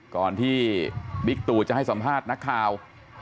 ก่อนที่บิ๊กตู่จะให้สัมภาษณ์นักข่าว